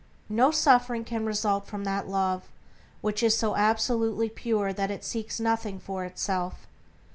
No suffering can result from that Love which is so absolutely pure that it seeks nothing for itself.